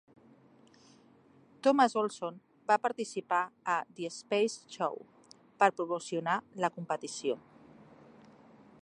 Thomas Olson va participar a "The Space Show" per promocionar la competició.